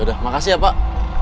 yaudah makasih ya pak